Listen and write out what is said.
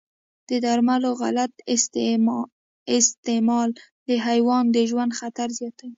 د درملو غلط استعمال د حیوان د ژوند خطر زیاتوي.